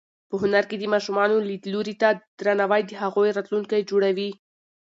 په هنر کې د ماشومانو لیدلوري ته درناوی د هغوی راتلونکی جوړوي.